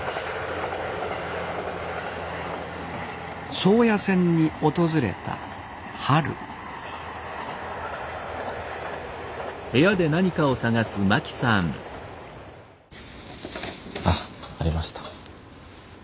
宗谷線に訪れた春ありました。